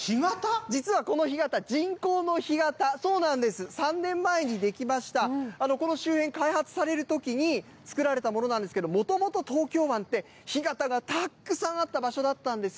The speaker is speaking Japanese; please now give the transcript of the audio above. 実はこの干潟、人工の干潟、そうなんです、３年前に出来ました、この周辺、開発されるときに作られたものなんですけど、もともと東京湾って、干潟がたくさんあった場所だったんです。